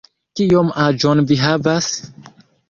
Kiom aĝon vi havas?